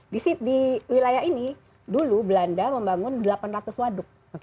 di wilayah ini dulu belanda membangun delapan ratus waduk